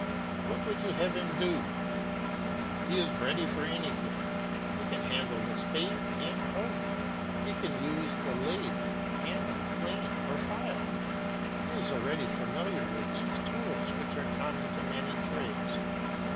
What would you have him do? He is ready for anything. He can handle the spade and hoe, he can use the lathe, hammer, plane, or file; he is already familiar with these tools which are common to many trades.